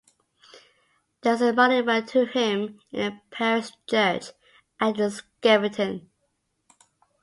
There is a monument to him in the parish church at Skeffington.